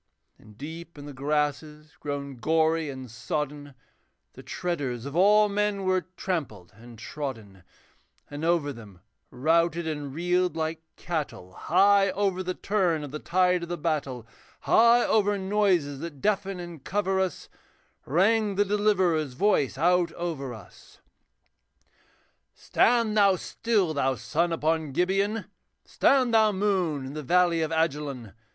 And deep in the grasses grown gory and sodden, The treaders of all men were trampled and trodden; And over them, routed and reeled like cattle, High over the turn of the tide of the battle, High over noises that deafen and cover us, Rang the Deliverer's voice out over us. 'Stand thou still, thou sun upon Gibeon, Stand thou, moon, in the valley of Ajalon!